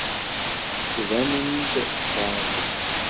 Tettbanem-d tbeɛdem.